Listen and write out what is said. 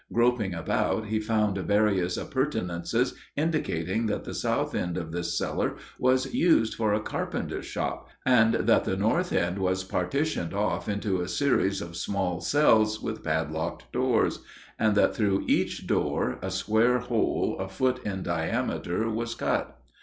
Groping about, he found various appurtenances indicating that the south end of this cellar was used for a carpenter's shop, and that the north end was partitioned off into a series of small cells with padlocked doors, and that through each door a square hole, a foot in diameter, was cut.